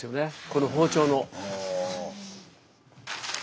この包丁の。